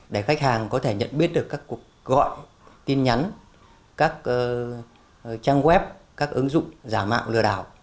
để khách hàng có thể nhận biết được các cuộc gọi tin nhắn các trang web các ứng dụng giả mạo lừa đảo